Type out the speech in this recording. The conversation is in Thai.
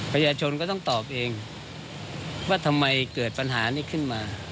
ประชาชนก็ต้องตอบเองว่าทำไมเกิดปัญหานี้ขึ้นมา